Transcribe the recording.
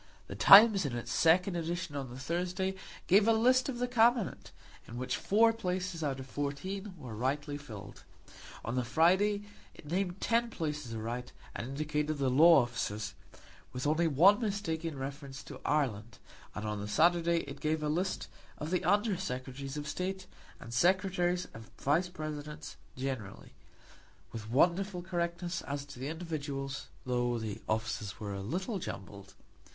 The Times, in its second edition on the Thursday, gave a list of the Cabinet, in which four places out of fourteen were rightly filled. On the Friday it named ten places aright, and indicated the law officers, with only one mistake in reference to Ireland; and on the Saturday it gave a list of the Under Secretaries of State, and Secretaries and Vice Presidents generally, with wonderful correctness as to the individuals, though the offices were a little jumbled.